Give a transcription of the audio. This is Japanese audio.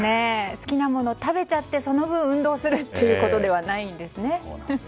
好きなものを食べちゃってその分、運動するっていうことではないんですね。